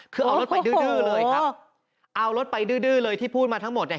คือเอารถไปดื้อดื้อเลยครับเอารถไปดื้อดื้อเลยที่พูดมาทั้งหมดเนี่ย